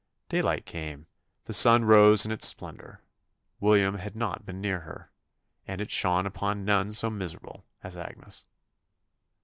Daylight came; the sun rose in its splendour: William had not been near her, and it shone upon none so miserable as Agnes.